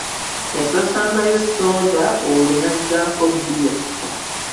Yasoosangayo sooda olwo n’azzaako bbiya!